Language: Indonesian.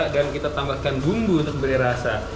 dan kita tambahkan bumbu untuk beri rasa